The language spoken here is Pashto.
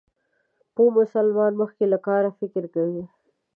پوه انسان مخکې له کاره فکر کوي.